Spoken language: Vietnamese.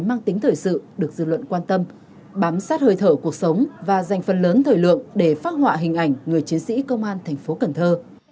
mang tính thời sự được dư luận quan tâm bám sát hơi thở cuộc sống và dành phần lớn thời lượng để phát họa hình ảnh người chiến sĩ công an thành phố cần thơ